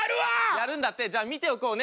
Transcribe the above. やるんだってじゃあ見ておこうね。